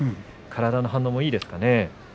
体の反応もいいですね。